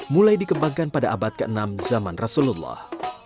mulai dikembangkan pada abad ke enam zaman rasulullah